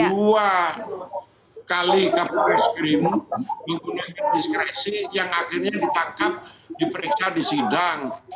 dua kali kabar reskrim lingkungan diskresi yang akhirnya ditangkap diperiksa disidang